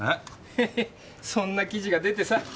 ヘヘそんな記事が出てさ。